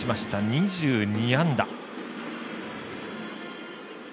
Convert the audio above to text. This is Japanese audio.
２２安打。